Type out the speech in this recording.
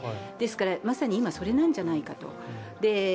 まさに今、それなんじゃないかと。